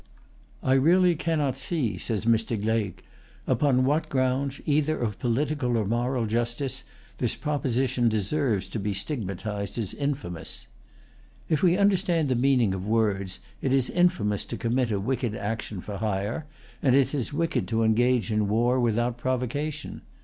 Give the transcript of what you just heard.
"I really cannot see," says Mr. Gleig, "upon what grounds, either of political or moral justice, this proposition deserves to be stigmatized as infamous." If we understand the meaning of words, it is infamous to commit a wicked action for hire, and it is wicked to engage in war without provocation.